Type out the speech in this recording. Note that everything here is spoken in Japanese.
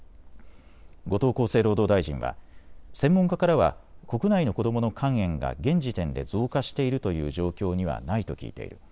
後藤厚生労働大臣は専門家からは国内の子どもの肝炎が現時点で増加しているという状況にはないと聞いている。